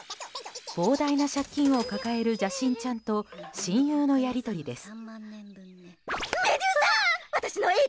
膨大な借金を抱える邪神ちゃんと親友のやり取りです。